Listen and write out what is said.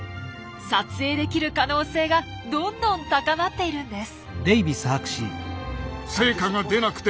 撮影できる可能性がどんどん高まっているんです。